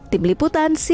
tim liputan cnn indonesia